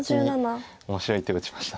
面白い手を打ちました。